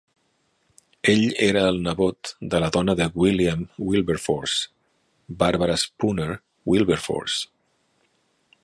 Ell era el nebot de la dona de William Wilberforce, Barbara Spooner Wilberforce.